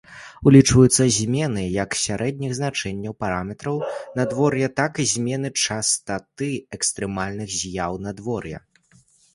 Улічваюцца змены як сярэдніх значэнняў параметраў надвор'я, так і змены частаты экстрэмальных з'яў надвор'я.